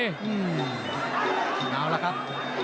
เอาละครับ